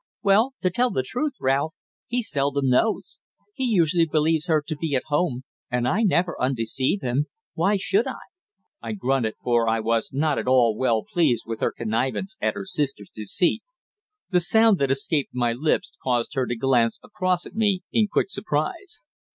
"Well, to tell the truth, Ralph, he seldom knows. He usually believes her to be at home, and I never undeceive him. Why should I?" I grunted, for I was not at all well pleased with her connivance at her sister's deceit. The sound that escaped my lips caused her to glance across at me in quick surprise.